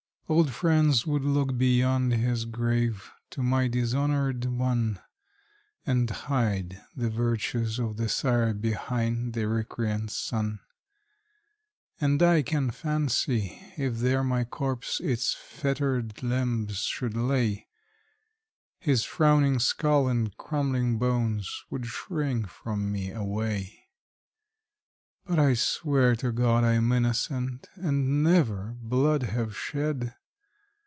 Old friends would look beyond his grave, to my dishonored one, And hide the virtues of the sire behind the recreant son. And I can fancy, if there my corse its fettered limbs should lay, His frowning skull and crumbling bones would shrink from me away; But I swear to God I'm innocent, and never blood have shed!